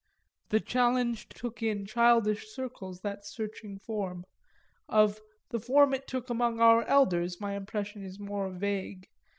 the challenge took in childish circles that searching form; of the form it took among our elders my impression is more vague.